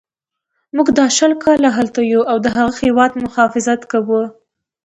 موږ دا شل کاله هلته یو او د هغه هیواد مخافظت کوو.